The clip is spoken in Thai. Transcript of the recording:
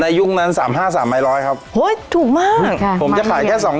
ยุคนั้นสามห้าสามไม้ร้อยครับโอ้ยถูกมากค่ะผมจะขายแค่สอง